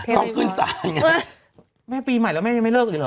ต้องขึ้นสาร